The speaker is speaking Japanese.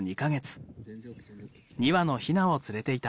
２羽のひなを連れていた。